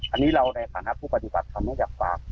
อันนี้เราในฐานะผู้ปฏิบัติทำไม่จับปาก